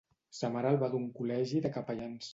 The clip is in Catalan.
Sa mare el va dur a un col·legi de capellans.